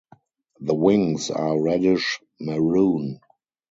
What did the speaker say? The wings are reddish maroon.